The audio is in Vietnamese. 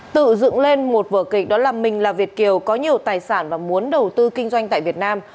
tự dựng lên một vở kịch đó là mình là việt kiều có nhiều tài sản và muốn đầu tư kinh doanh tại việt nam